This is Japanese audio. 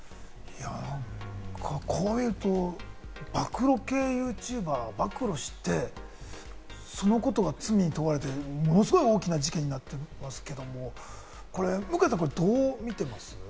暴露系ＹｏｕＴｕｂｅｒが暴露して、そのことが罪に問われて、ものすごい大きな事件になってますけれども、向井さん、どう見てます？